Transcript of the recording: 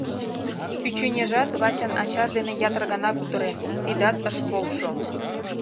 Чӱчӱньыжат Васян ачаж дене ятыр гана кутырен, тидат ыш полшо.